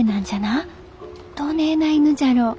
どねえな犬じゃろう。